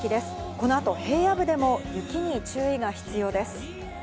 この後、平野部でも雪に注意が必要です。